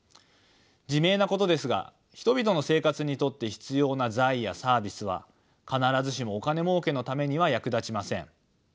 自明なことですが人々の生活にとって必要な財やサービスは必ずしもお金もうけのためには役立ちません。